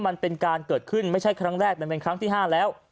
มันเป็นการเกิดขึ้นไม่ใช่ครั้งแรกมันเป็นครั้งที่๕แล้ว